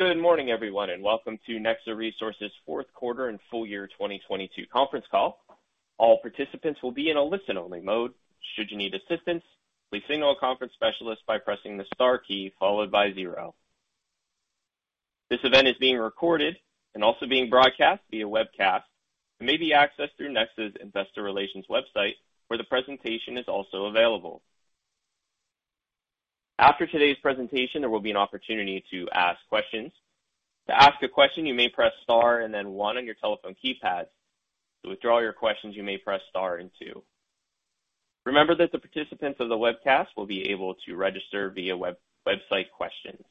Good morning everyone, welcome to Nexa Resources fourth quarter and full year 2022 conference call. All participants will be in a listen only mode. Should you need assistance, please signal a conference specialist by pressing the star key followed by 0. This event is being recorded and also being broadcast via webcast, and may be accessed through Nexa's Investor Relations website, where the presentation is also available. After today's presentation, there will be an opportunity to ask questions. To ask a question, you may press Star and then 1 on your telephone keypad. To withdraw your questions, you may press Star and 2. Remember that the participants of the webcast will be able to register via web-website questions.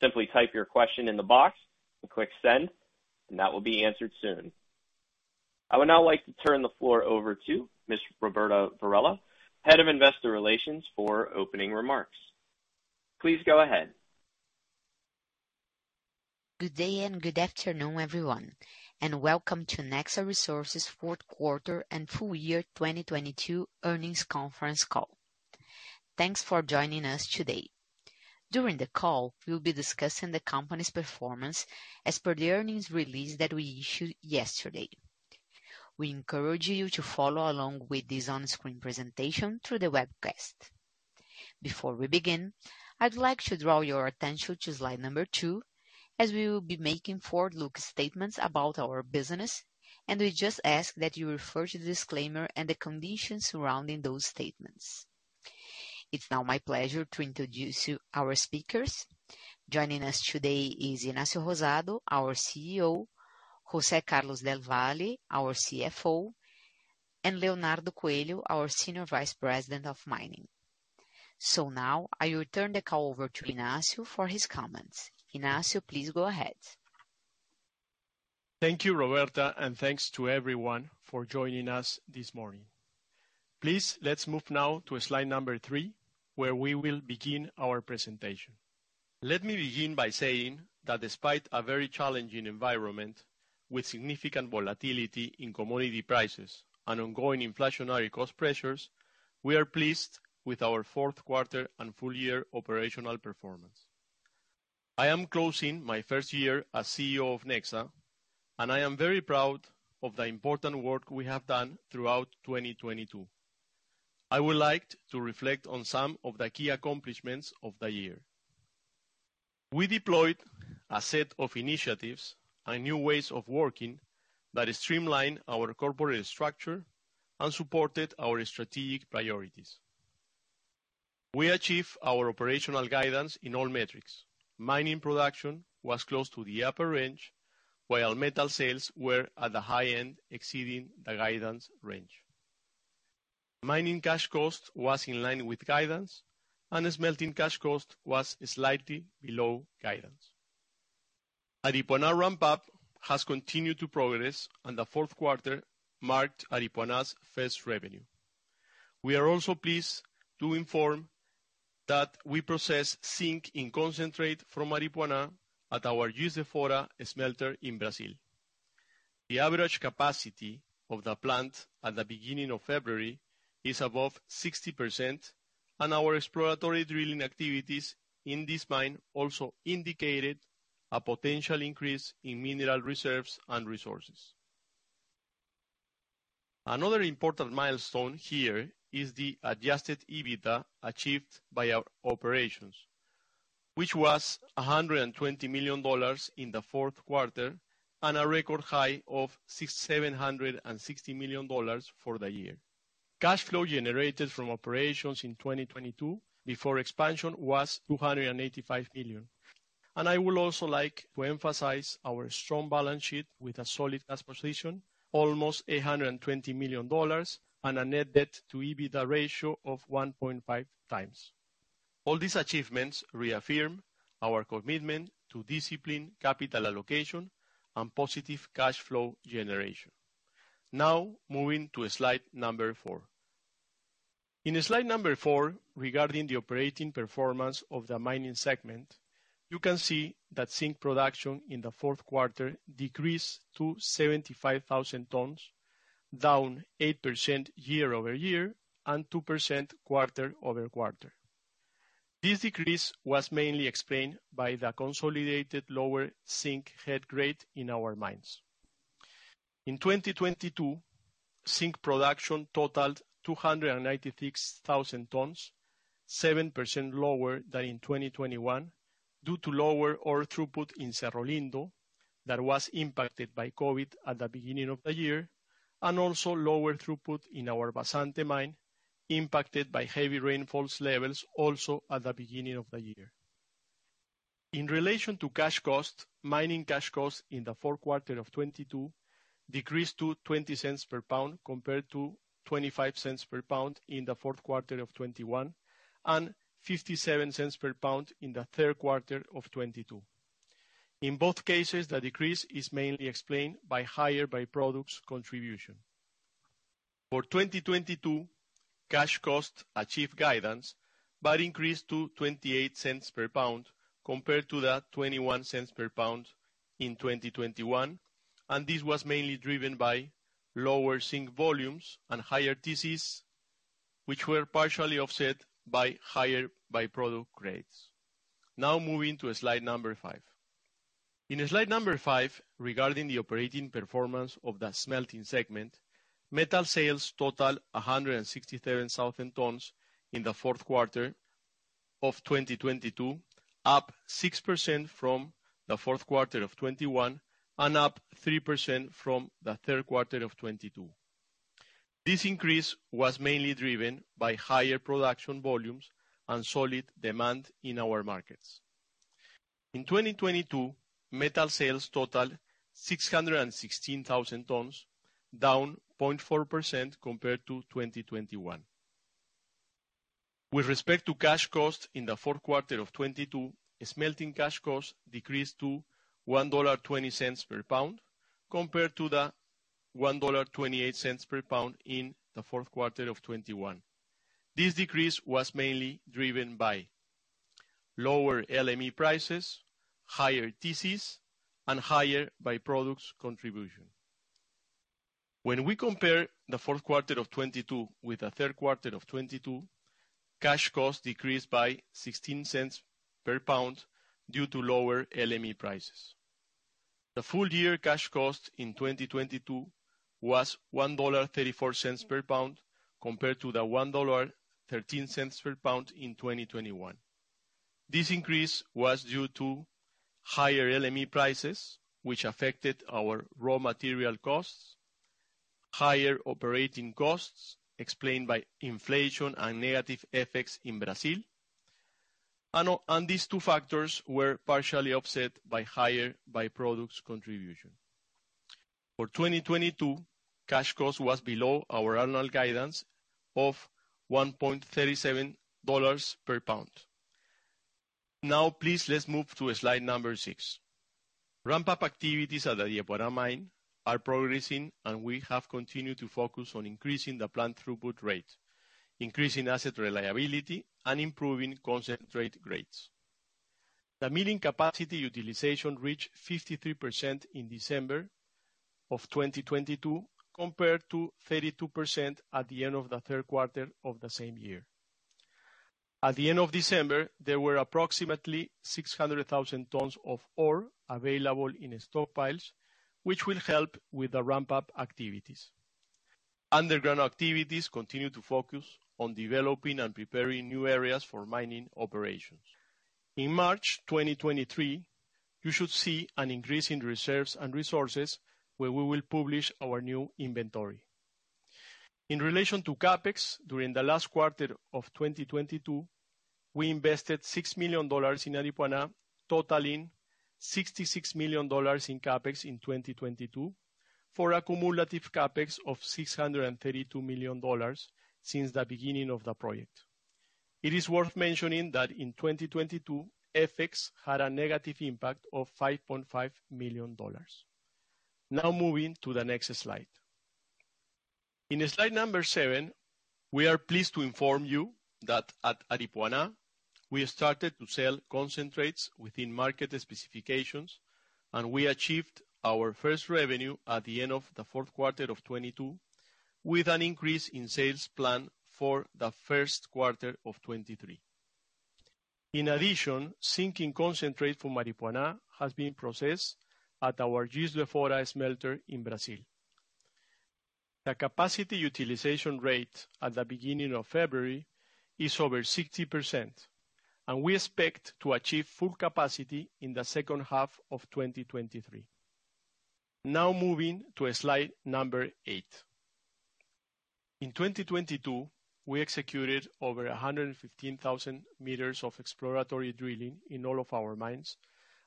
Simply type your question in the box and click Send, that will be answered soon. I would now like to turn the floor over to Miss Roberta Varella, Head of Investor Relations for opening remarks. Please go ahead. Good day and good afternoon, everyone, and welcome to Nexa Resources 4th quarter and full year 2022 earnings conference call. Thanks for joining us today. During the call, we'll be discussing the company's performance as per the earnings release that we issued yesterday. We encourage you to follow along with this on-screen presentation through the webcast. Before we begin, I'd like to draw your attention to slide number 2, as we will be making forward-looking statements about our business, and we just ask that you refer to the disclaimer and the conditions surrounding those statements. It's now my pleasure to introduce you our speakers. Joining us today is Ignacio Rosado, our CEO, Jose Carlos del Valle, our CFO, and Leonardo Coelho, our Senior Vice President of Mining. Now I will turn the call over to Ignacio for his comments. Ignacio, please go ahead. Thank you, Roberta. Thanks to everyone for joining us this morning. Please, let's move now to slide number 3, where we will begin our presentation. Let me begin by saying that despite a very challenging environment with significant volatility in commodity prices and ongoing inflationary cost pressures, we are pleased with our fourth quarter and full year operational performance. I am closing my first year as CEO of Nexa, and I am very proud of the important work we have done throughout 2022. I would like to reflect on some of the key accomplishments of the year. We deployed a set of initiatives and new ways of working that streamlined our corporate structure and supported our strategic priorities. We achieved our operational guidance in all metrics. Mining production was close to the upper range, while metal sales were at the high end, exceeding the guidance range. Mining cash cost was in line with guidance. Smelting cash cost was slightly below guidance. Aripuanã ramp-up has continued to progress. The fourth quarter marked Aripuanã's first revenue. We are also pleased to inform that we processed zinc in concentrate from Aripuanã at our Juiz de Fora smelter in Brazil. The average capacity of the plant at the beginning of February is above 60%. Our exploratory drilling activities in this mine also indicated a potential increase in mineral reserves and resources. Another important milestone here is the adjusted EBITDA achieved by our operations, which was $120 million in the fourth quarter and a record high of $760 million for the year. Cash flow generated from operations in 2022 before expansion was $285 million. I would also like to emphasize our strong balance sheet with a solid cash position, almost $120 million and a net debt-to-EBITDA ratio of 1.5 times. All these achievements reaffirm our commitment to discipline, capital allocation and positive cash flow generation. Moving to slide number 4. In slide number 4, regarding the operating performance of the mining segment, you can see that zinc production in the fourth quarter decreased to 75,000 tons, down 8% year-over-year and 2% quarter-over-quarter. This decrease was mainly explained by the consolidated lower zinc head grade in our mines. In 2022, zinc production totaled 296,000 tons, 7% lower than in 2021 due to lower ore throughput in Cerro Lindo that was impacted by COVID at the beginning of the year, and also lower throughput in our Vazante mine, impacted by heavy rainfalls levels also at the beginning of the year. In relation to cash costs, mining cash costs in the fourth quarter of 22 decreased to $0.20 per pound, compared to $0.25 per pound in the fourth quarter of 21 and $0.57 per pound in the third quarter of 22. In both cases, the decrease is mainly explained by higher by-products contribution. For 2022, cash costs achieved guidance, but increased to $0.28 per pound compared to the $0.21 per pound in 2021. This was mainly driven by lower zinc volumes and higher TCs, which were partially offset by higher by-product grades. Moving to slide 5. In slide 5, regarding the operating performance of the smelting segment, metal sales total 167,000 tons in the Q4 2022, up 6% from the Q4 2021, and up 3% from the Q3 2022. This increase was mainly driven by higher production volumes and solid demand in our markets. In 2022, metal sales totaled 616,000 tons, down 0.4% compared to 2021. With respect to cash costs in the fourth quarter of 2022, smelting cash costs decreased to $1.20 per pound compared to the $1.28 per pound in the fourth quarter of 2021. This decrease was mainly driven by lower LME prices, higher TCs, and higher by-products contribution. When we compare the fourth quarter of 2022 with the third quarter of 2022, cash costs decreased by $0.16 per pound due to lower LME prices. The full year cash cost in 2022 was $1.34 per pound compared to the $1.13 per pound in 2021. This increase was due to higher LME prices, which affected our raw material costs, higher operating costs explained by inflation and negative effects in Brazil, and these two factors were partially offset by higher by-products contribution. For 2022, cash cost was below our annual guidance of $1.37 per pound. Now, please, let's move to slide number 6. Ramp-up activities at the Aripuanã mine are progressing, and we have continued to focus on increasing the plant throughput rate, increasing asset reliability, and improving concentrate grades. The milling capacity utilization reached 53% in December 2022, compared to 32% at the end of the 3rd quarter of the same year. At the end of December, there were approximately 600,000 tons of ore available in stockpiles, which will help with the ramp-up activities. Underground activities continue to focus on developing and preparing new areas for mining operations. In March 2023, you should see an increase in reserves and resources where we will publish our new inventory. In relation to CapEx during the last quarter of 2022, we invested $6 million in Aripuanã, totaling $66 million in CapEx in 2022 for a cumulative CapEx of $632 million since the beginning of the project. It is worth mentioning that in 2022, FX had a negative impact of $5.5 million. Now moving to the next slide. In slide number 7, we are pleased to inform you that at Aripuanã, we started to sell concentrates within market specifications, and we achieved our first revenue at the end of the fourth quarter of 22, with an increase in sales plan for the first quarter of 23. Sinking concentrate from Aripuanã has been processed at our Juiz de Fora smelter in Brazil. The capacity utilization rate at the beginning of February is over 60%. We expect to achieve full capacity in the second half of 2023. Moving to slide number 8. In 2022, we executed over 115,000 meters of exploratory drilling in all of our mines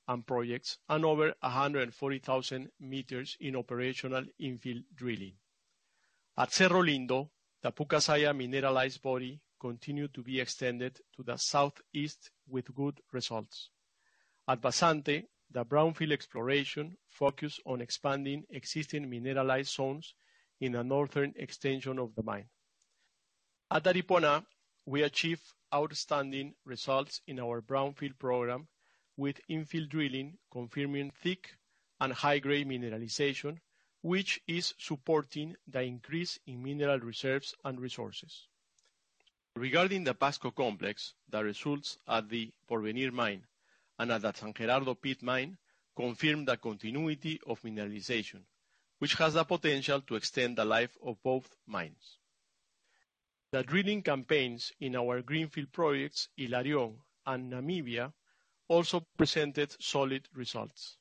and projects and over 140,000 meters in operational infill drilling. At Cerro Lindo, the Pucasaya mineralized body continued to be extended to the southeast with good results. At Vazante, the brownfield exploration focused on expanding existing mineralized zones in a northern extension of the mine. At Aripuanã, we achieved outstanding results in our brownfield program, with infill drilling confirming thick and high-grade mineralization, which is supporting the increase in mineral reserves and resources. Regarding the Pasco complex, the results at the Porvenir mine and at the San Gerardo pit mine confirmed the continuity of mineralization, which has the potential to extend the life of both mines. The drilling campaigns in our greenfield projects, Hilarion and Namibia, also presented solid results.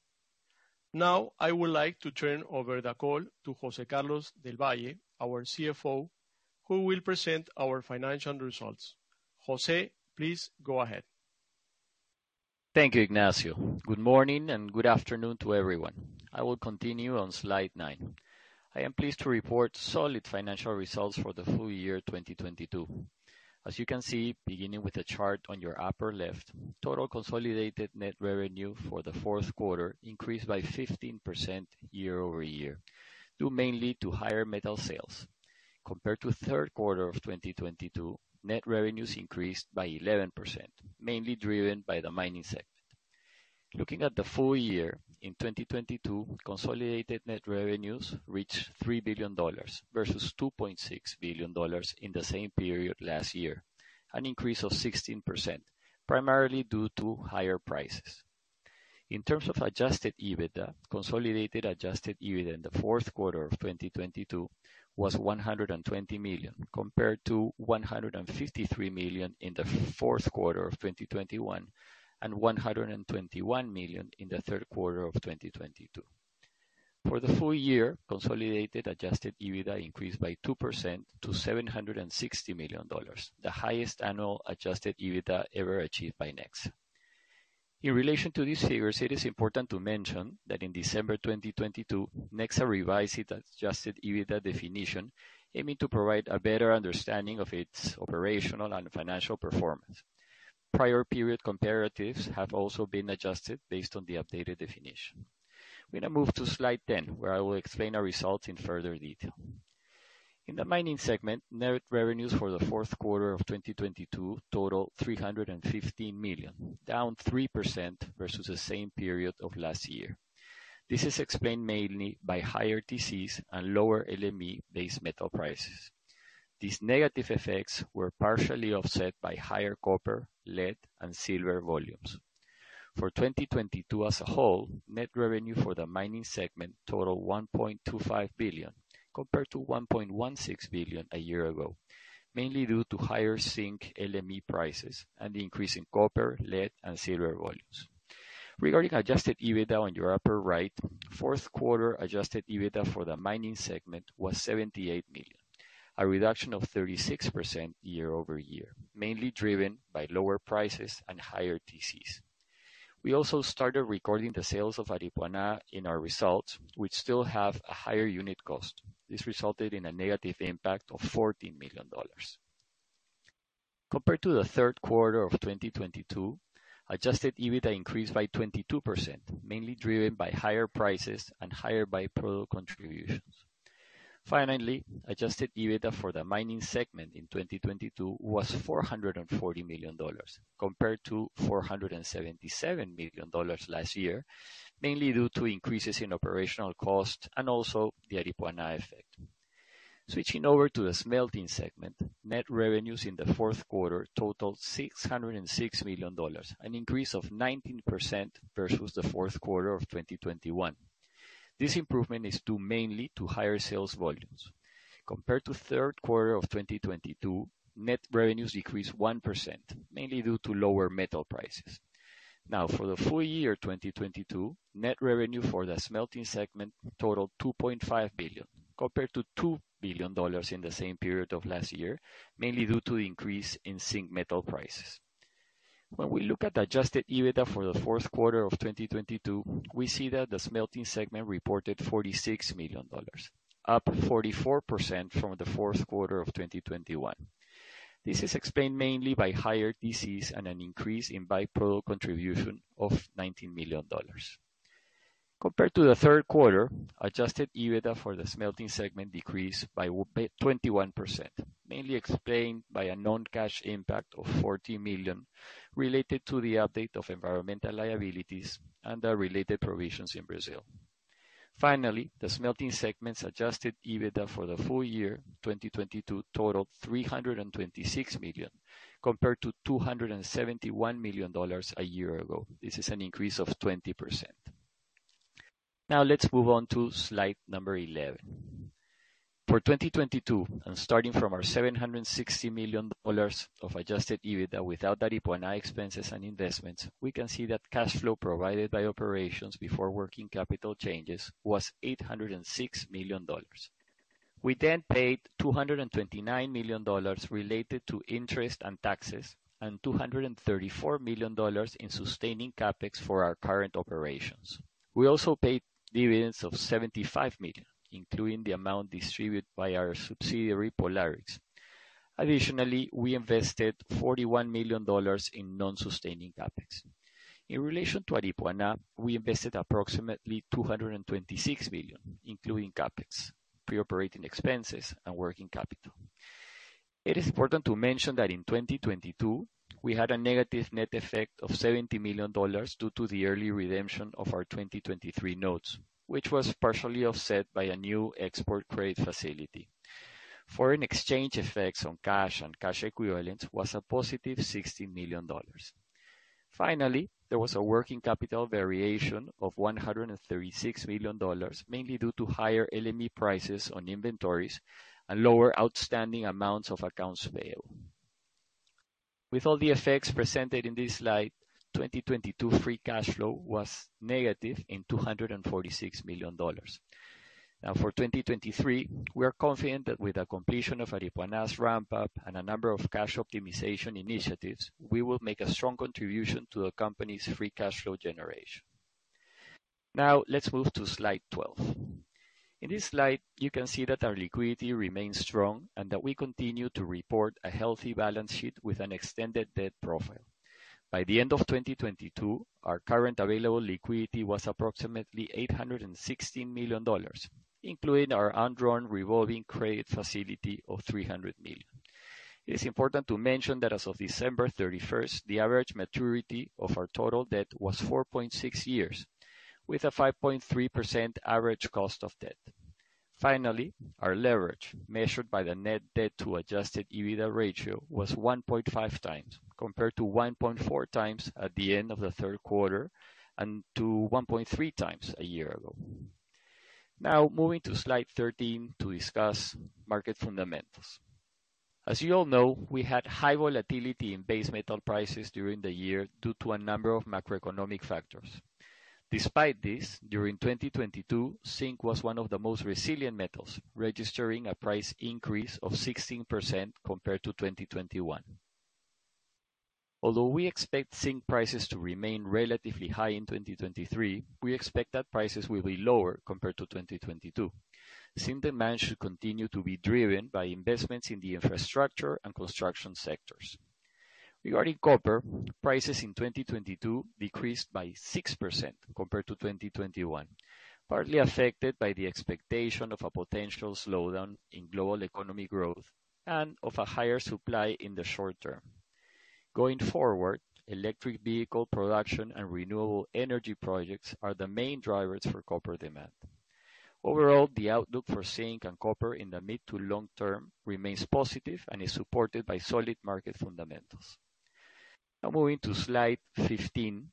Now, I would like to turn over the call to Jose Carlos del Valle, our CFO, who will present our financial results. Jose, please go ahead. Thank you, Ignacio. Good morning and good afternoon to everyone. I will continue on slide 9. I am pleased to report solid financial results for the full year 2022. As you can see, beginning with the chart on your upper left, total consolidated net revenue for the fourth quarter increased by 15% year-over-year, due mainly to higher metal sales. Compared to third quarter of 2022, net revenues increased by 11%, mainly driven by the mining sector. Looking at the full year, in 2022, consolidated net revenues reached $3 billion versus $2.6 billion in the same period last year, an increase of 16%, primarily due to higher prices. In terms of adjusted EBITDA, consolidated adjusted EBITDA in the fourth quarter of 2022 was $120 million, compared to $153 million in the fourth quarter of 2021, and $121 million in the third quarter of 2022. For the full year, consolidated adjusted EBITDA increased by 2% to $760 million, the highest annual adjusted EBITDA ever achieved by Nexa. In relation to these figures, it is important to mention that in December 2022, Nexa revised its adjusted EBITDA definition, aiming to provide a better understanding of its operational and financial performance. Prior period comparatives have also been adjusted based on the updated definition. We now move to slide 10, where I will explain our results in further detail. In the mining segment, net revenues for the fourth quarter of 2022 total $315 million, down 3% versus the same period of last year. This is explained mainly by higher TCs and lower LME-based metal prices. These negative effects were partially offset by higher copper, lead, and silver volumes. For 2022 as a whole, net revenue for the mining segment totaled $1.25 billion, compared to $1.16 billion a year ago, mainly due to higher zinc LME prices and the increase in copper, lead, and silver volumes. Regarding adjusted EBITDA on your upper right, fourth quarter adjusted EBITDA for the mining segment was $78 million, a reduction of 36% year-over-year, mainly driven by lower prices and higher TCs. We also started recording the sales of Aripuanã in our results, which still have a higher unit cost. This resulted in a negative impact of $14 million. Compared to the third quarter of 2022, adjusted EBITDA increased by 22%, mainly driven by higher prices and higher by-product contributions. Finally, adjusted EBITDA for the mining segment in 2022 was $440 million, compared to $477 million last year, mainly due to increases in operational costs and also the Aripuanã effect. Switching over to the smelting segment, net revenues in the fourth quarter totaled $606 million, an increase of 19% versus the fourth quarter of 2021. This improvement is due mainly to higher sales volumes. Compared to third quarter of 2022, net revenues decreased 1%, mainly due to lower metal prices. For the full year 2022, net revenue for the smelting segment totaled $2.5 billion, compared to $2 billion in the same period of last year, mainly due to the increase in zinc metal prices. When we look at adjusted EBITDA for the fourth quarter of 2022, we see that the smelting segment reported $46 million, up 44% from the fourth quarter of 2021. This is explained mainly by higher TCs and an increase in by-product contribution of $19 million. Compared to the third quarter, adjusted EBITDA for the smelting segment decreased by 21%, mainly explained by a non-cash impact of $40 million related to the update of environmental liabilities and their related provisions in Brazil. Finally, the smelting segment's adjusted EBITDA for the full year 2022 totaled $326 million, compared to $271 million a year ago. This is an increase of 20%. Let's move on to slide number 11. For 2022, starting from our $760 million of adjusted EBITDA without Aripuanã expenses and investments, we can see that cash flow provided by operations before working capital changes was $806 million. We paid $229 million related to interest and taxes and $234 million in sustaining CapEx for our current operations. We also paid dividends of $75 million, including the amount distributed by our subsidiary, Pollarix. Additionally, we invested $41 million in non-sustaining CapEx. In relation to Aripuanã, we invested approximately $226 million, including CapEx, pre-operating expenses, and working capital. It is important to mention that in 2022, we had a negative net effect of $70 million due to the early redemption of our 2023 notes, which was partially offset by a new export credit facility. Foreign exchange effects on cash and cash equivalents was a positive $60 million. Finally, there was a working capital variation of $136 million, mainly due to higher LME prices on inventories and lower outstanding amounts of accounts payable. With all the effects presented in this slide, 2022 free cash flow was negative in $246 million. Now, for 2023, we are confident that with the completion of Aripuanã's ramp-up and a number of cash optimization initiatives, we will make a strong contribution to the company's free cash flow generation. Now let's move to Slide 12. In this slide, you can see that our liquidity remains strong and that we continue to report a healthy balance sheet with an extended debt profile. By the end of 2022, our current available liquidity was approximately $816 million, including our undrawn revolving credit facility of $300 million. It is important to mention that as of December 31st, the average maturity of our total debt was 4.6 years, with a 5.3% average cost of debt. Finally, our leverage measured by the net debt-to-EBITDA ratio was 1.5 times compared to 1.4 times at the end of the third quarter and to 1.3 times a year ago. Now moving to slide 13 to discuss market fundamentals. As you all know, we had high volatility in base metal prices during the year due to a number of macroeconomic factors. Despite this, during 2022, zinc was one of the most resilient metals, registering a price increase of 16% compared to 2021. Although we expect zinc prices to remain relatively high in 2023, we expect that prices will be lower compared to 2022. Zinc demand should continue to be driven by investments in the infrastructure and construction sectors. Regarding copper, prices in 2022 decreased by 6% compared to 2021, partly affected by the expectation of a potential slowdown in global economy growth and of a higher supply in the short term. Going forward, electric vehicle production and renewable energy projects are the main drivers for copper demand. Overall, the outlook for zinc and copper in the mid to long term remains positive and is supported by solid market fundamentals. Now moving to slide 15,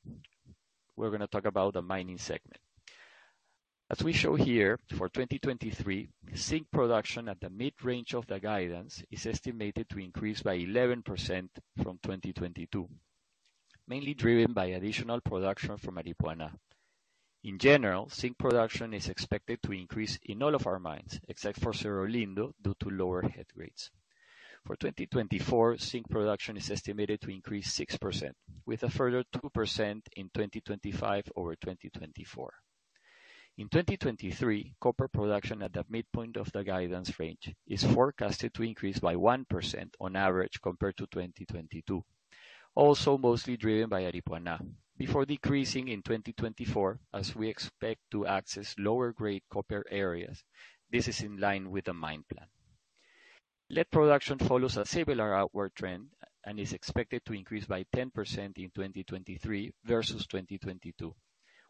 we're gonna talk about the mining segment. As we show here for 2023, zinc production at the mid-range of the guidance is estimated to increase by 11% from 2022, mainly driven by additional production from Aripuanã. In general, zinc production is expected to increase in all of our mines except for Cerrolindo due to lower head grades. For 2024, zinc production is estimated to increase 6% with a further 2% in 2025 over 2024. In 2023, copper production at the midpoint of the guidance range is forecasted to increase by 1% on average compared to 2022, also mostly driven by Aripuanã before decreasing in 2024 as we expect to access lower grade copper areas. This is in line with the mine plan. Lead production follows a similar outward trend and is expected to increase by 10% in 2023 versus 2022,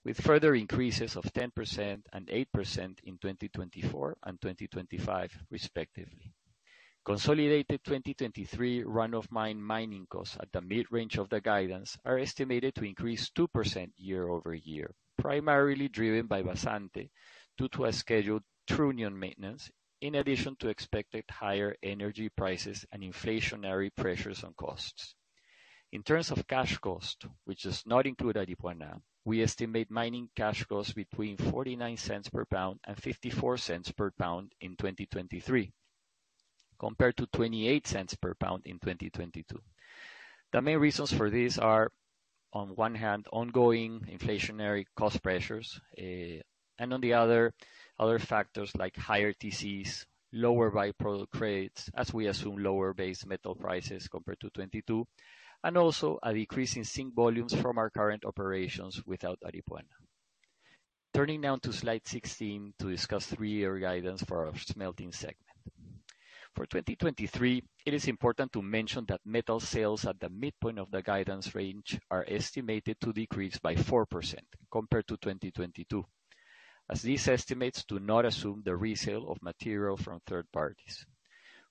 with further increases of 10% and 8% in 2024 and 2025 respectively. Consolidated 2023 run-of-mine mining costs at the mid-range of the guidance are estimated to increase 2% year-over-year, primarily driven by Vazante due to a scheduled trunnion maintenance in addition to expected higher energy prices and inflationary pressures on costs. In terms of cash cost, which does not include Aripuanã, we estimate mining cash costs between $0.49 per pound and $0.54 per pound in 2023, compared to $0.28 per pound in 2022. The main reasons for this are, on one hand, ongoing inflationary cost pressures, and on the other factors like higher TCs, lower by-product rates as we assume lower base metal prices compared to 2022, and also a decrease in zinc volumes from our current operations without Aripuanã. Turning now to slide 16 to discuss 3-year guidance for our smelting segment. For 2023, it is important to mention that metal sales at the midpoint of the guidance range are estimated to decrease by 4% compared to 2022, as these estimates do not assume the resale of material from third parties.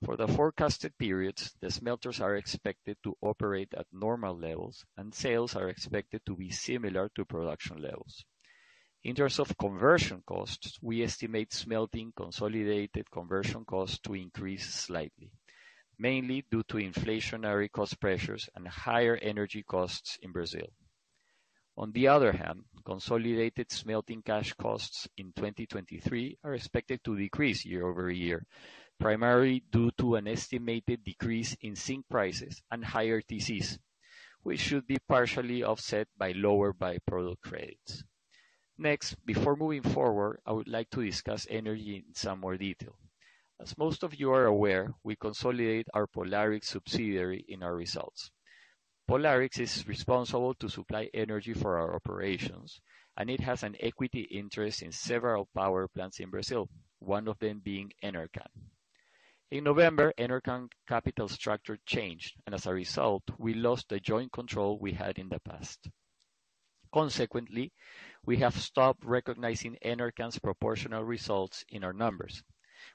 For the forecasted periods, the smelters are expected to operate at normal levels, and sales are expected to be similar to production levels. In terms of conversion costs, we estimate smelting consolidated conversion costs to increase slightly, mainly due to inflationary cost pressures and higher energy costs in Brazil. On the other hand, consolidated smelting cash costs in 2023 are expected to decrease year-over-year, primarily due to an estimated decrease in zinc prices and higher TCs, which should be partially offset by lower by-product credits. Next, before moving forward, I would like to discuss energy in some more detail. As most of you are aware, we consolidate our Pollarix subsidiary in our results. Pollarix is responsible to supply energy for our operations. It has an equity interest in several power plants in Brazil, one of them being Enercon. In November, Enercon capital structure changed. As a result, we lost the joint control we had in the past. Consequently, we have stopped recognizing Enercon's proportional results in our numbers.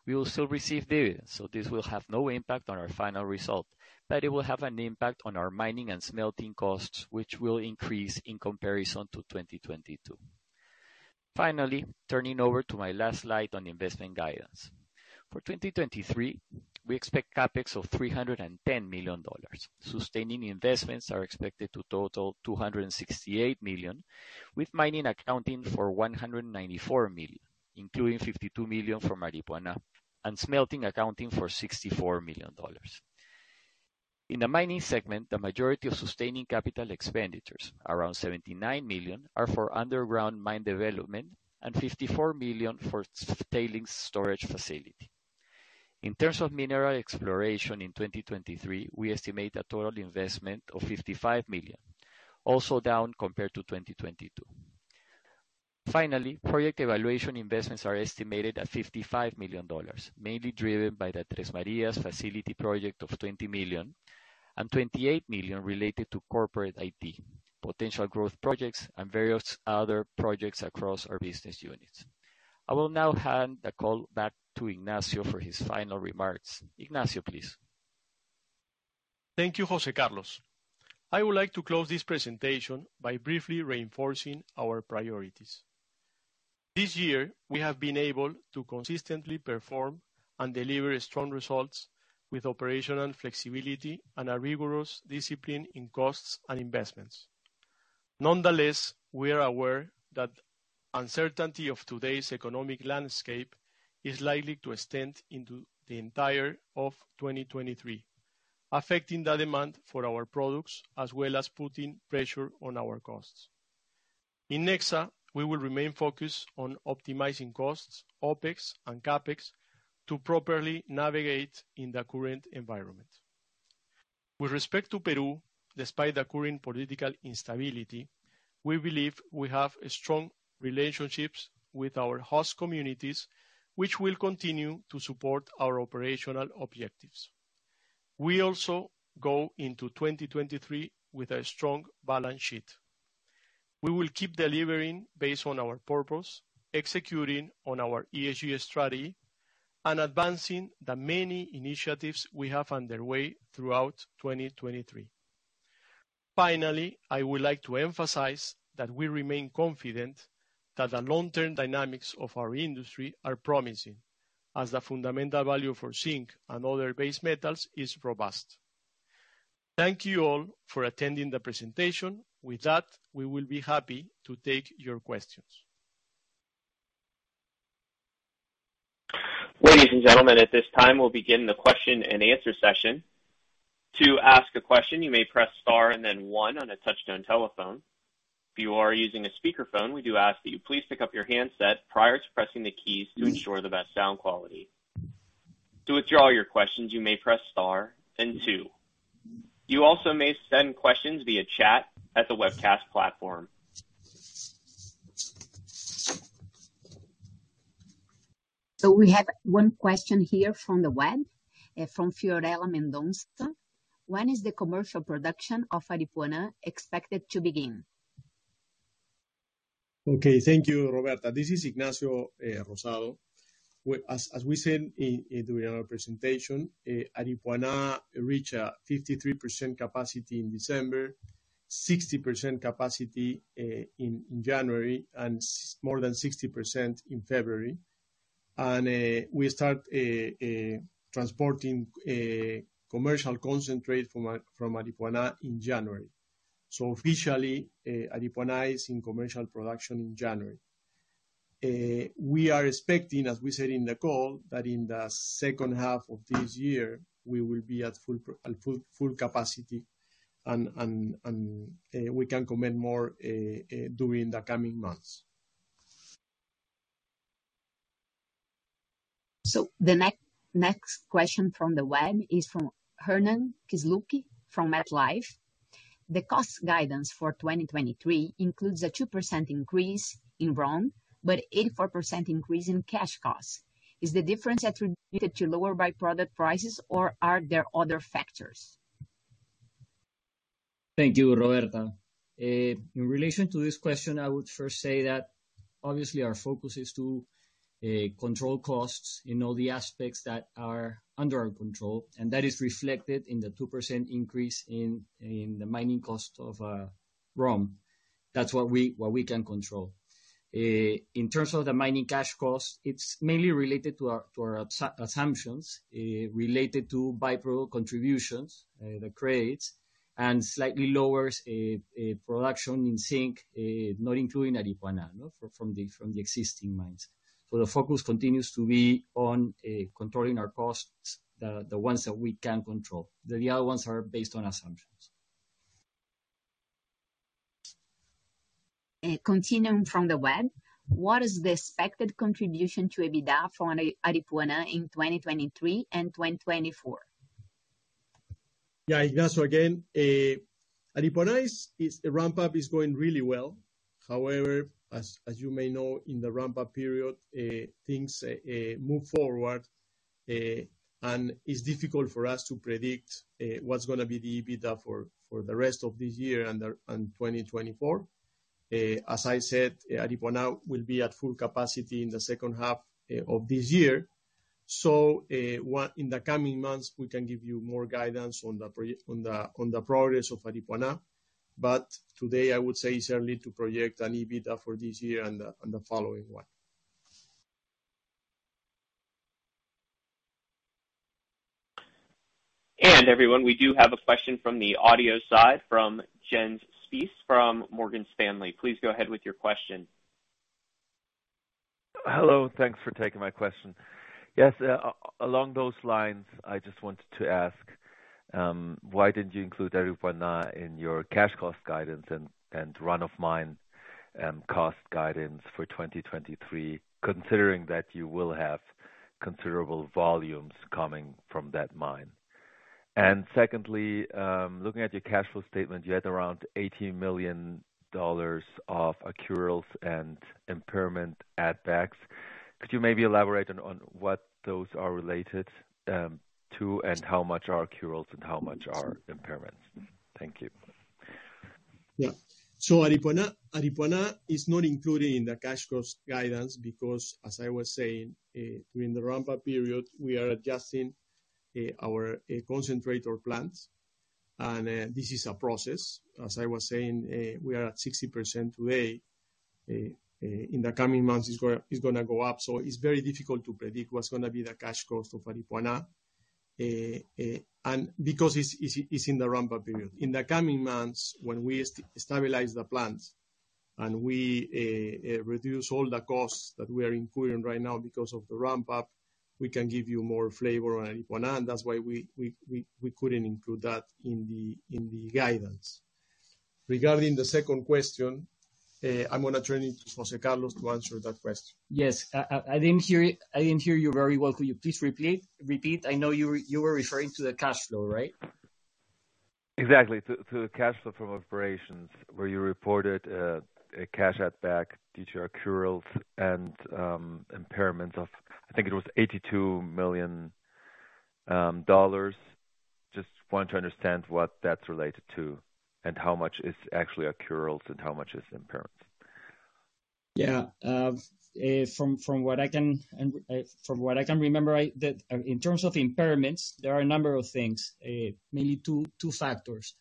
We will still receive dividends. This will have no impact on our final result, but it will have an impact on our mining and smelting costs, which will increase in comparison to 2022. Finally, turning over to my last slide on investment guidance. For 2023, we expect CapEx of $310 million. Sustaining investments are expected to total $268 million, with mining accounting for $194 million, including $52 million from Aripuanã and smelting accounting for $64 million. In the mining segment, the majority of sustaining capital expenditures, around $79 million, are for underground mine development and $54 million for tailings storage facility. In terms of mineral exploration in 2023, we estimate a total investment of $55 million, also down compared to 2022. Project evaluation investments are estimated at $55 million, mainly driven by the Tres Marias facility project of $20 million and $28 million related to corporate IT, potential growth projects, and various other projects across our business units. I will now hand the call back to Ignacio for his final remarks. Ignacio, please. Thank you, José Carlos. I would like to close this presentation by briefly reinforcing our priorities. This year, we have been able to consistently perform and deliver strong results with operational flexibility and a rigorous discipline in costs and investments. Nonetheless, we are aware that uncertainty of today's economic landscape is likely to extend into the entire of 2023, affecting the demand for our products, as well as putting pressure on our costs. In Nexa, we will remain focused on optimizing costs, OpEx and CapEx, to properly navigate in the current environment. With respect to Peru, despite the current political instability, we believe we have strong relationships with our host communities, which will continue to support our operational objectives. We also go into 2023 with a strong balance sheet. We will keep delivering based on our purpose, executing on our ESG strategy, and advancing the many initiatives we have underway throughout 2023. Finally, I would like to emphasize that we remain confident that the long-term dynamics of our industry are promising, as the fundamental value for zinc and other base metals is robust. Thank you all for attending the presentation. With that, we will be happy to take your questions. Ladies and gentlemen, at this time we'll begin the question-and-answer session. To ask a question, you may press star and then one on a touch-tone telephone. If you are using a speakerphone, we do ask that you please pick up your handset prior to pressing the keys to ensure the best sound quality. To withdraw your questions, you may press star then two. You also may send questions via chat at the webcast platform. We have one question here from the web, from Fiorella Mendonça. When is the commercial production of Aripuanã expected to begin? Okay. Thank you, Roberta. This is Ignacio Rosado. As we said in doing our presentation, Aripuanã reached a 53% capacity in December, 60% capacity in January, and more than 60% in February. We start transporting commercial concentrate from Aripuanã in January. So officially, Aripuanã is in commercial production in January. We are expecting, as we said in the call, that in the second half of this year, we will be at full capacity and we can commit more during the coming months. The next question from the web is from Hernan Kisluk from MetLife. The cost guidance for 2023 includes a 2% increase in ROM, but 84% increase in cash costs. Is the difference attributed to lower by-product prices, or are there other factors? Thank you, Roberta. In relation to this question, I would first say that obviously our focus is to control costs in all the aspects that are under our control, and that is reflected in the 2% increase in the mining cost of ROM. That's what we can control. In terms of the mining cash costs, it's mainly related to our assumptions related to by-product contributions, the credits, and slightly lowers production in zinc, not including Aripuanã, no, from the existing mines. The focus continues to be on controlling our costs, the ones that we can control. The other ones are based on assumptions. Continuing from the web. What is the expected contribution to EBITDA from Aripuanã in 2023 and 2024? Ignacio, again, Aripuanã is its ramp-up is going really well. However, as you may know, in the ramp-up period, things move forward, and it's difficult for us to predict what's gonna be the EBITDA for the rest of this year and 2024. As I said, Aripuanã will be at full capacity in the second half of this year. In the coming months, we can give you more guidance on the progress of Aripuanã. Today, I would say it's early to project an EBITDA for this year and the following one. Everyone, we do have a question from the audio side from Jens Spiess from Morgan Stanley. Please go ahead with your question. Hello. Thanks for taking my question. Yes, along those lines, I just wanted to ask, why didn't you include Aripuanã in your cash cost guidance and run-of-mine cost guidance for 2023, considering that you will have considerable volumes coming from that mine? Secondly, looking at your cash flow statement, you had around $80 million of accruals and impairment add backs. Could you maybe elaborate on what those are related to and how much are accruals and how much are impairments? Thank you. Yeah. Aripuanã is not included in the cash cost guidance because as I was saying, during the ramp-up period, we are adjusting our concentrator plants. This is a process, as I was saying, we are at 60% today. In the coming months, it's gonna go up. It's very difficult to predict what's gonna be the cash cost of Aripuanã, and because it's in the ramp-up period. In the coming months when we stabilize the plants and we reduce all the costs that we are including right now because of the ramp up, we can give you more flavor on Aripuanã. That's why we couldn't include that in the guidance. Regarding the second question, I'm gonna turn it to José Carlos to answer that question. Yes. I didn't hear it. I didn't hear you very well. Could you please repeat? I know you were referring to the cash flow, right? Exactly. To the cash flow from operations where you reported cash outback, detour accruals, and impairments of, I think it was $82 million. Just want to understand what that's related to and how much is actually accruals and how much is impairment. From what I can remember, in terms of impairments, there are a number of things, mainly two factors.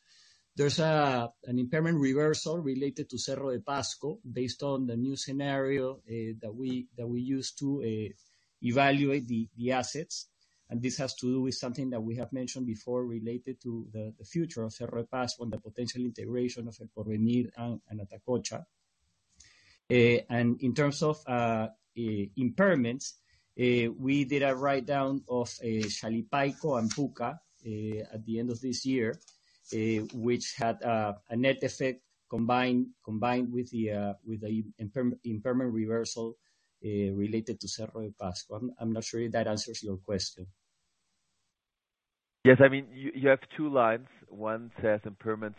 There's an impairment reversal related to Cerro de Pasco based on the new scenario that we use to evaluate the assets. This has to do with something that we have mentioned before related to the future of Cerro de Pasco and the potential integration of El Porvenir and Atacocha. In terms of impairments, we did a write down of Shalipayco and Pukaqaqa at the end of this year, which had a net effect combined with the impairment reversal related to Cerro de Pasco. I'm not sure if that answers your question. Yes. I mean, you have two lines. One says impairment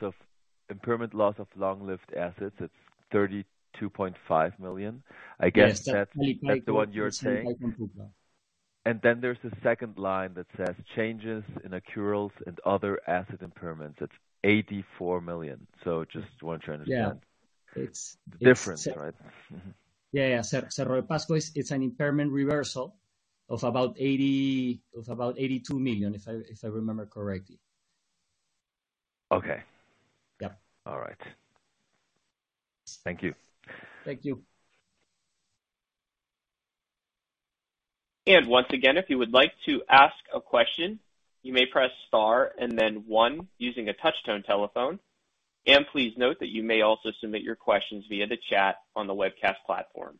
loss of long-lived assets. It's $32.5 million. I guess. Yes. Shalipayco and Pukaqaqa. -that's the one you're saying. There's a second line that says, "Changes in accruals and other asset impairments." That's $84 million. Just want to try and understand. Yeah. It's. Difference, right? Mm-hmm. Yeah, yeah. Cerro de Pasco it's an impairment reversal of about $82 million, if I remember correctly. Okay. Yeah. All right. Thank you. Thank you. Once again, if you would like to ask a question, you may press star and then 1 using a touch tone telephone. Please note that you may also submit your questions via the chat on the webcast platform.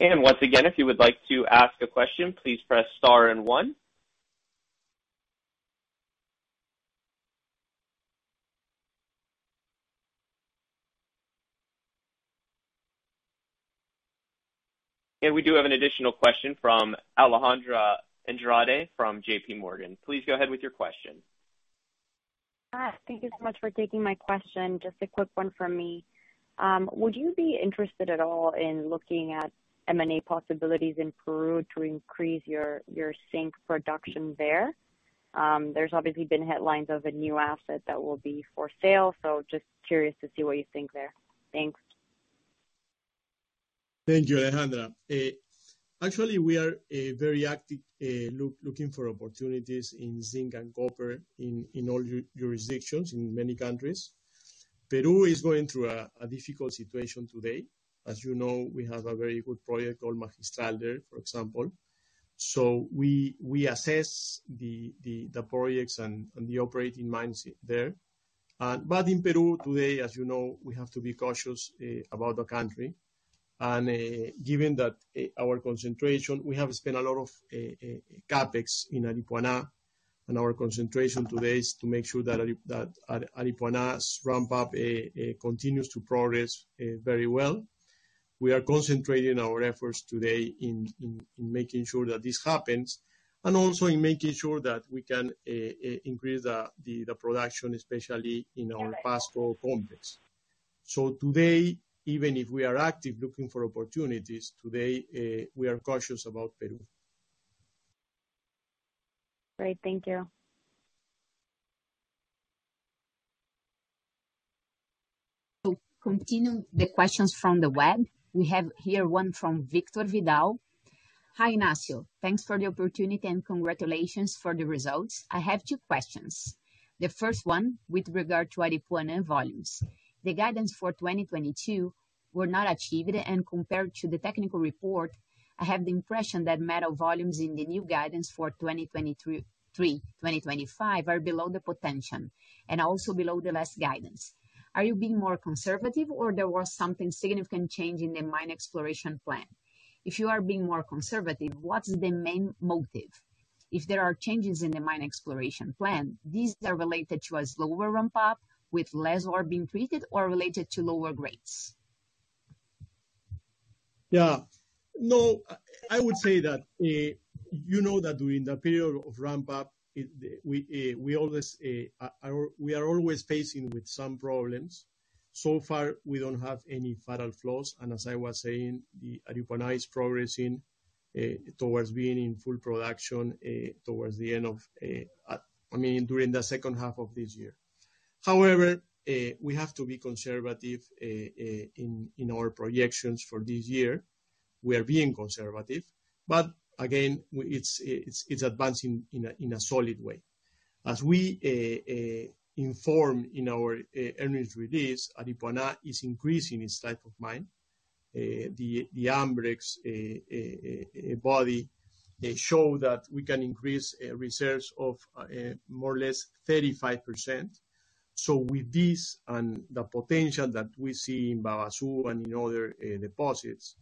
Once again, if you would like to ask a question, please press star and 1. We do have an additional question from Alejandra Andrade from JP Morgan. Please go ahead with your question. Hi. Thank you so much for taking my question. Just a quick one from me. Would you be interested at all in looking at M&A possibilities in Peru to increase your zinc production there? There's obviously been headlines of a new asset that will be for sale, so just curious to see what you think there. Thanks. Thank you, Alejandra. Actually, we are very active looking for opportunities in zinc and copper in all jurisdictions, in many countries. Peru is going through a difficult situation today. As you know, we have a very good project called Magistral, for example. We assess the projects and the operating mines there. In Peru today, as you know, we have to be cautious about the country. Given that our concentration, we have spent a lot of CapEx in Aripuanã, and our concentration today is to make sure that Aripuanã's ramp up continues to progress very well. We are concentrating our efforts today in making sure that this happens and also in making sure that we can increase the production, especially in our Pasco complex. Today, even if we are active looking for opportunities, today, we are cautious about Peru. Great. Thank you. To continue the questions from the web. We have here one from Victor Vidal. Hi, Ignacio. Thanks for the opportunity and congratulations for the results. I have 2 questions. The first one with regard to Aripuanã volumes. The guidance for 2022 were not achieved, and compared to the technical report, I have the impression that metal volumes in the new guidance for 2023, 2025 are below the potential and also below the last guidance. Are you being more conservative or there was something significant change in the mine exploration plan? If you are being more conservative, what's the main motive? If there are changes in the mine exploration plan, these are related to a slower ramp up with less ore being treated or related to lower grades? Yeah. No, I would say that, you know that during the period of ramp up, we are always facing with some problems. As I was saying, the Aripuanã is progressing, towards being in full production, towards the end of, I mean, during the second half of this year. However, we have to be conservative, in our projections for this year. We are being conservative. Again, it's advancing in a solid way. As we inform in our earnings release, Aripuanã is increasing its type of mine. The Ambrex body, they show that we can increase reserves of more or less 35%. With this and the potential that we see in Baú and in other deposits,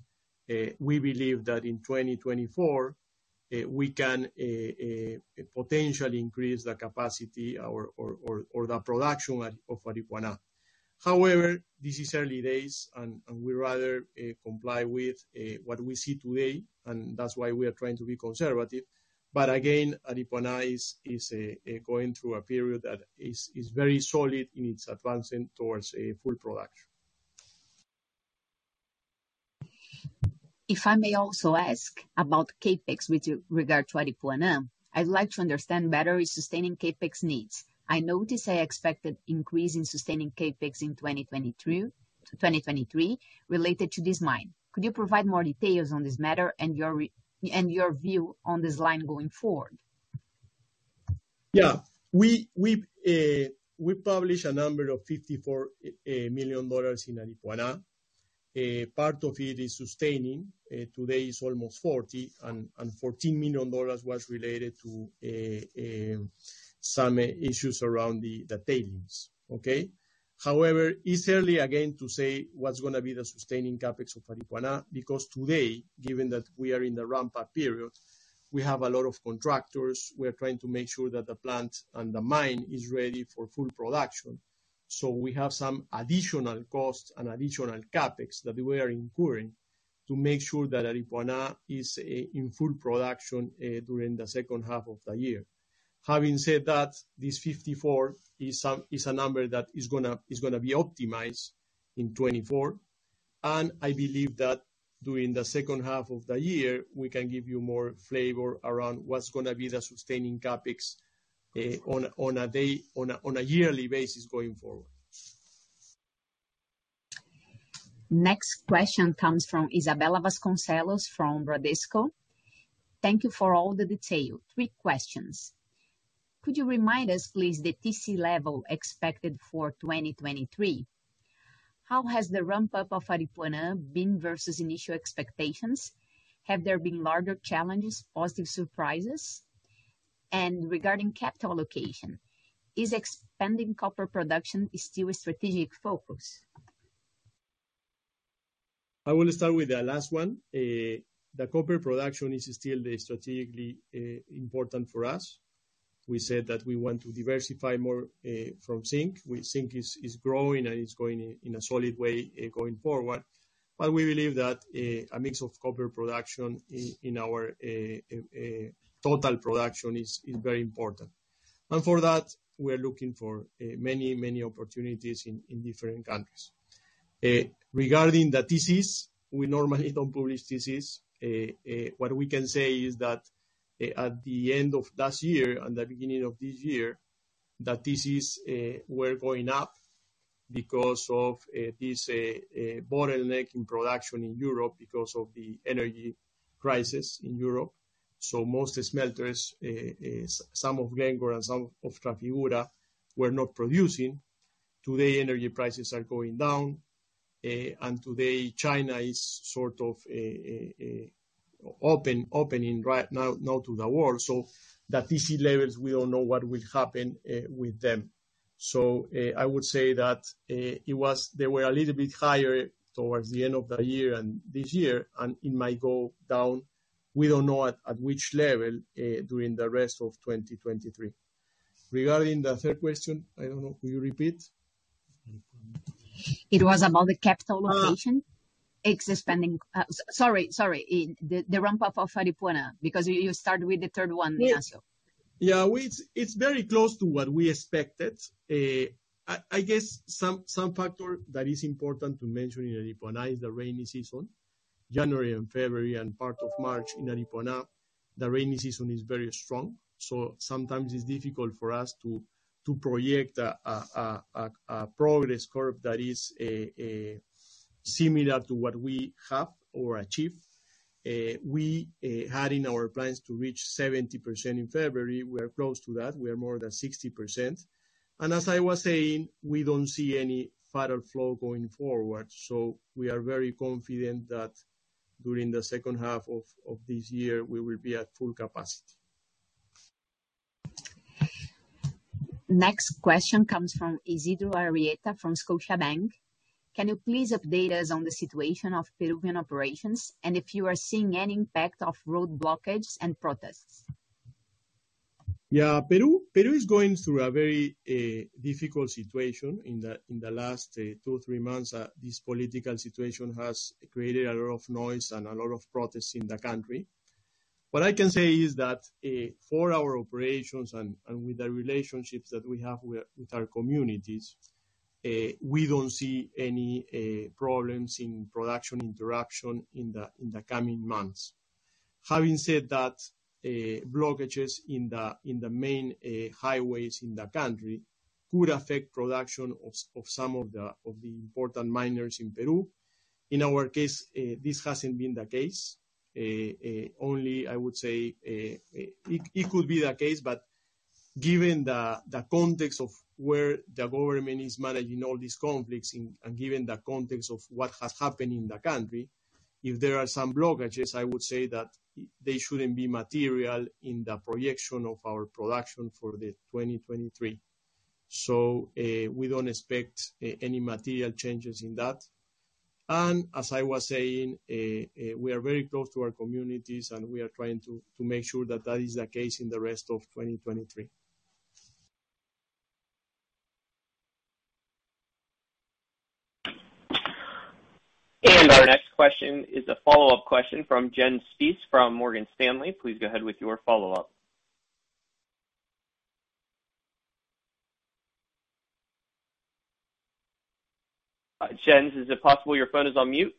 we believe that in 2024, we can potentially increase the capacity or the production of Aripuanã. However, this is early days, and we rather comply with what we see today, and that's why we are trying to be conservative. Again, Aripuanã is going through a period that is very solid in its advancing towards a full production. If I may also ask about CapEx with regard to Aripuanã. I'd like to understand better is sustaining CapEx needs. I notice an expected increase in sustaining CapEx in 2020 through 2023 related to this mine. Could you provide more details on this matter and your view on this line going forward? Yeah. We publish a number of $54 million in Aripuanã. Part of it is sustaining. Today is almost 40, and $14 million was related to some issues around the tailings, okay? However, it's early again to say what's gonna be the sustaining CapEx of Aripuanã, because today, given that we are in the ramp up period, we have a lot of contractors. We are trying to make sure that the plant and the mine is ready for full production. We have some additional costs and additional CapEx that we are incurring to make sure that Aripuanã is in full production during the second half of the year. Having said that, this 54 is a number that is gonna be optimized in 2024. I believe that during the second half of the year, we can give you more flavor around what's gonna be the sustaining CapEx, on a, on a yearly basis going forward. Next question comes from Isabella Vasconcelos from Bradesco. Thank you for all the detail. Three questions: Could you remind us, please, the TC level expected for 2023? How has the ramp up of Aripuanã been versus initial expectations? Have there been larger challenges, positive surprises? Regarding capital allocation, is expanding copper production still a strategic focus? I will start with the last one. The copper production is still strategically important for us. We said that we want to diversify more from zinc. Zinc is growing and it's growing in a solid way going forward. But we believe that a mix of copper production in our total production is very important. And for that, we are looking for many, many opportunities in different countries. Regarding the TCs, we normally don't publish TCs. What we can say is that at the end of last year and the beginning of this year, the TCs were going up because of this bottleneck in production in Europe because of the energy crisis in Europe. So most smelters, some of Glencore and some of Trafigura were not producing. Today, energy prices are going down, and today, China is sort of opening right now to the world. The TC levels, we don't know what will happen with them. I would say that they were a little bit higher towards the end of the year and this year, and it might go down. We don't know at which level during the rest of 2023. Regarding the third question, I don't know. Could you repeat? It was about the capital allocation. Uh- Expanding. Sorry. The ramp up of Aripuanã, because you started with the third one also. Yeah. Yeah. It's very close to what we expected. I guess some factor that is important to mention in Aripuanã is the rainy season. January and February and part of March in Aripuanã, the rainy season is very strong, so sometimes it's difficult for us to project a progress curve that is similar to what we have or achieve. We had in our plans to reach 70% in February. We are close to that. We are more than 60%. As I was saying, we don't see any fatal flaw going forward. We are very confident that during the second half of this year, we will be at full capacity. Next question comes from Isidro Arrieta from Scotiabank. Can you please update us on the situation of Peruvian operations and if you are seeing any impact of road blockage and protests? Yeah. Peru is going through a very difficult situation. In the last two, three months, this political situation has created a lot of noise and a lot of protests in the country. What I can say is that for our operations and with the relationships that we have with our communities, we don't see any problems in production interruption in the coming months. Having said that, blockages in the main highways in the country could affect production of some of the important miners in Peru. In our case, this hasn't been the case. Only I would say, it could be the case, but given the context of where the government is managing all these conflicts and given the context of what has happened in the country, if there are some blockages, I would say that they shouldn't be material in the projection of our production for 2023. We don't expect any material changes in that. As I was saying, we are very close to our communities, and we are trying to make sure that that is the case in the rest of 2023. Our next question is a follow-up question from Jens Spiess from Morgan Stanley. Please go ahead with your follow-up. Jens, is it possible your phone is on mute?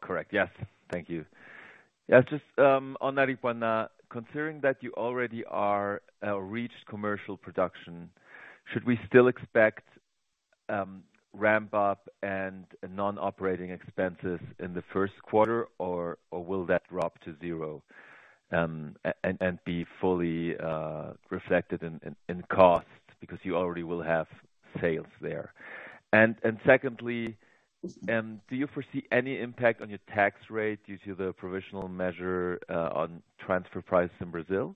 Correct. Yes. Thank you. Yes. Just on Arequipa, considering that you already are reached commercial production, should we still expect ramp up and non-operating expenses in the first quarter, or will that drop to zero and be fully reflected in costs because you already will have sales there? Secondly, do you foresee any impact on your tax rate due to the provisional measure on transfer price in Brazil?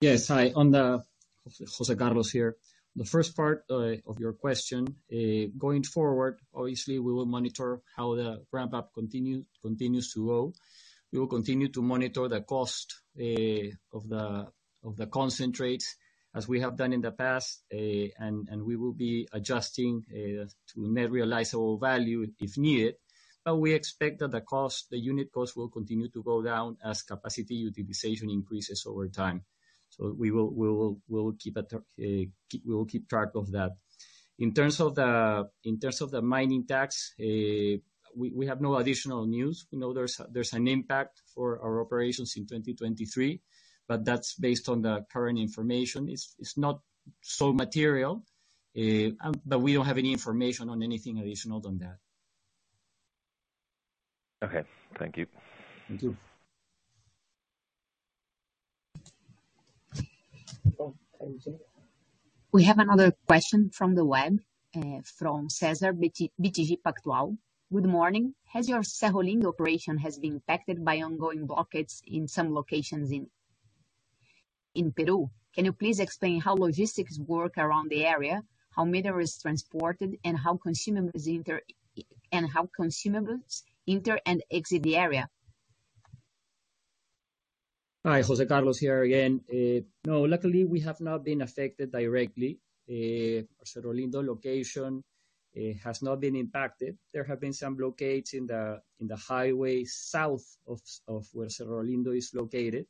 Yes. Hi. José Carlos here. The first part of your question, going forward, obviously, we will monitor how the ramp-up continues to roll. We will continue to monitor the cost of the concentrates as we have done in the past, and we will be adjusting to net realizable value if needed. We expect that the cost, the unit cost, will continue to go down as capacity utilization increases over time. We will keep track of that. In terms of the mining tax, we have no additional news. We know there's an impact for our operations in 2023, that's based on the current information. It's not so material, but we don't have any information on anything additional than that. Okay. Thank you. Thank you. We have another question from the web, from Cesar BTG Pactual. Good morning. Has your Cerrolindo operation has been impacted by ongoing blockades in some locations in Peru? Can you please explain how logistics work around the area, how material is transported, and how consumables enter and exit the area? Hi, José Carlos here again. No, luckily, we have not been affected directly. Cerrolindo location has not been impacted. There have been some blockades in the highway south of where Cerrolindo is located.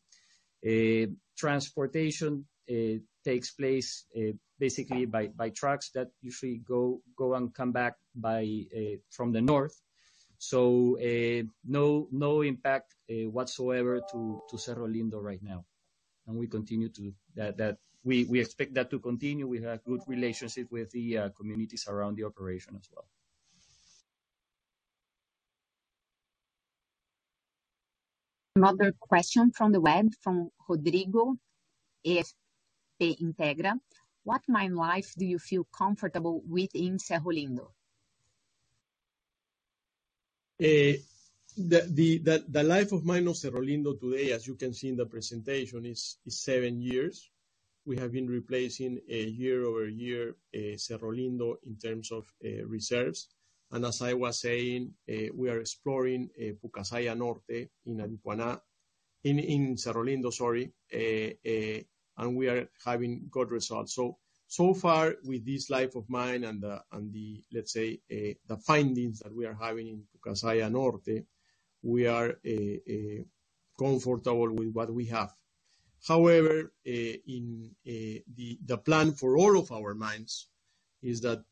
Transportation takes place basically by trucks that usually go and come back by from the north. No impact whatsoever to Cerrolindo right now. We continue to that. We expect that to continue. We have good relationships with the communities around the operation as well. Another question from the web from Rodrigo SP Integra. What mine life do you feel comfortable with in Cerrolindo? The life of mine of Cerrolindo today, as you can see in the presentation, is seven years. We have been replacing a year-over-year Cerrolindo in terms of reserves. As I was saying, we are exploring Pucasaya Norte in Arequipa. In Cerrolindo, sorry. We are having good results. So far with this life of mine and the, let's say, the findings that we are having in Pucasaya Norte, we are comfortable with what we have. However, the plan for all of our mines is that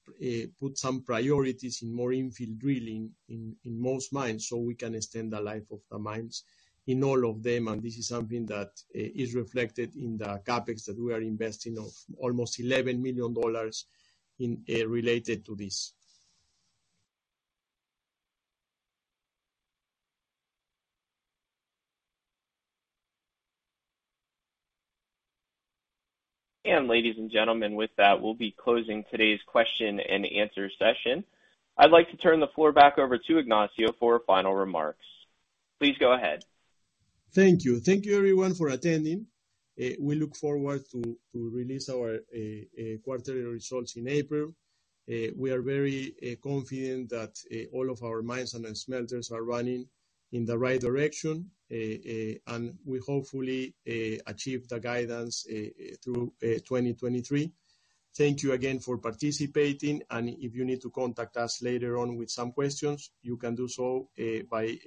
put some priorities in more infill drilling in most mines so we can extend the life of the mines in all of them. This is something that is reflected in the CapEx that we are investing of almost $11 million in related to this. Ladies and gentlemen, with that, we'll be closing today's question and answer session. I'd like to turn the floor back over to Ignacio for final remarks. Please go ahead. Thank you. Thank you everyone for attending. We look forward to release our quarterly results in April. We are very confident that all of our mines and smelters are running in the right direction. We hopefully achieve the guidance through 2023. Thank you again for participating, and if you need to contact us later on with some questions, you can do so by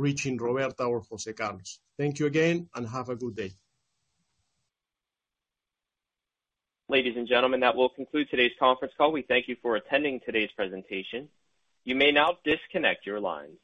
reaching Roberta or José Carlos. Thank you again, and have a good day. Ladies and gentlemen, that will conclude today's conference call. We thank you for attending today's presentation. You may now disconnect your lines.